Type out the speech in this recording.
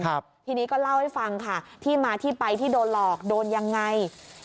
ทีนี้ก็เล่าให้ฟังค่ะที่มาที่ไปที่โดนหลอกโดนยังไง